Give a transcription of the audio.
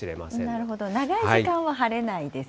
なるほど、長い時間は晴れないですね。